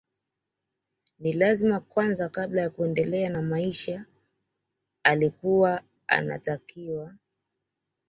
Ni lazima kwanza kabla ya kuendelea na maisha alikuwa anatakiwa